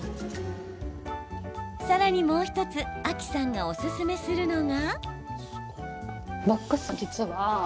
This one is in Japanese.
さらに、もう１つａｋｉさんがおすすめするのが。